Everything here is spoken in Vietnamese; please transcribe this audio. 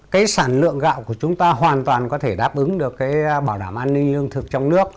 cái sản lượng gạo của chúng ta hoàn toàn có thể đáp ứng được cái bảo đảm an ninh lương thực trong nước